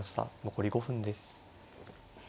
残り５分です。